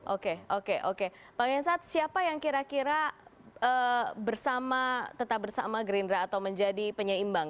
oke oke oke pak yansat siapa yang kira kira tetap bersama gerindra atau menjadi penyeimbang